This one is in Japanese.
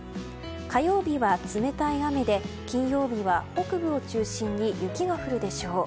火曜日は冷たい雨で金曜日は北部を中心に雪が降るでしょう。